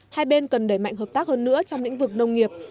hai bên cần đẩy mạnh hợp tác hơn nữa trong lĩnh vực nông nghiệp